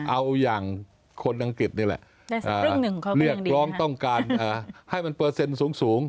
เอาอย่างคนอังกฤษนี่แหละเรียกร้องต้องการให้มันเปอร์เซ็นต์สูง